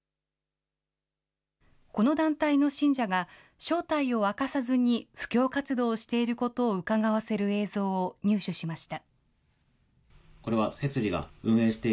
この団体の信者が、正体を明かさずに布教活動をしていることをうかがわせる映像を入手しました。